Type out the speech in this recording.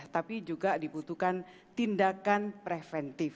tapi juga dibutuhkan tindakan preventif